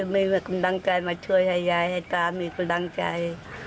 มีกำลังใจมาช่วยให้ยายให้ตามีกำลังใจ